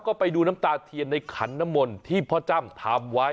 ก็ไปดูน้ำตาเทียนในขันน้ำมนที่พ่อจ้ำทำไว้